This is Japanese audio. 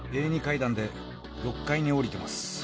Ａ２階段で６階に下りてます。